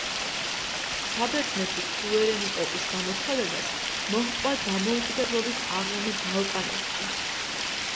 საბერძნეთის სუვერენიტეტის გამოცხადებას მოჰყვა „დამოუკიდებლობის აღლუმი“ ბალკანეთში.